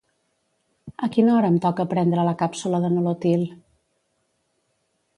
A quina hora em toca prendre la càpsula de Nolotil?